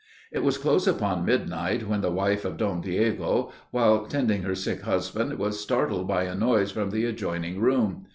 It was close upon midnight, when the wife of Don Diego, while tending her sick husband, was startled by a noise from the adjoining room.